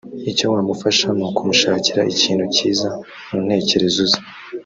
Icyo wamufasha nukumushakira ikintu cyiza muntekerezo ze